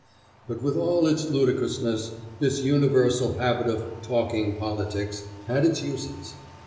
But with all its ludicrousness, this universal habit of "talking politics" had its uses.